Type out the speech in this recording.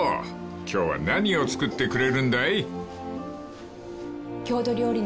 今日は何を作ってくれるんだい？］